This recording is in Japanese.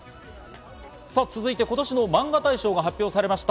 続いて今年のマンガ大賞が発表されました。